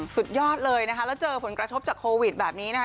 สุดยอดเลยนะคะแล้วเจอผลกระทบจากโควิดแบบนี้นะคะ